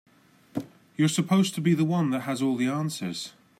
You're supposed to be the one that has all the answers.